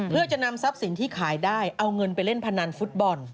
เพื่อจะนำทรัพย์สินที่ขายได้เอาเงินไปเล่นพนันฟุตบอล